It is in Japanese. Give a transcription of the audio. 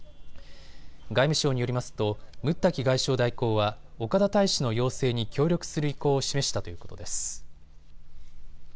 外務省によりますとムッタキ外相代行は岡田大使の要請に協力する意向を示したということです。